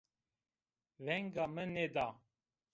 Venga mi nêda